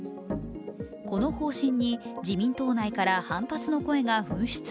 この方針に自民党内から反発の声が噴出。